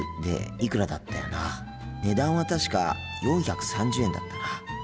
値段は確か４３０円だったな。